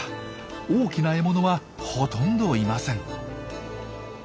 大きな獲物はほとんどいません。